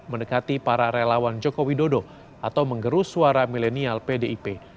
mendekati para relawan jokowi dodo atau mengerus suara milenial pdip